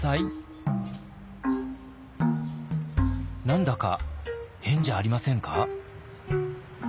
何だか変じゃありませんか？